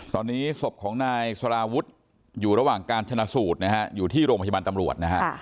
ตอนนี้ศพของนายสาราวุฒิอยู่ระหว่างการชนะสูตรนะฮะอยู่ที่โรงพยาบาลตำรวจนะฮะ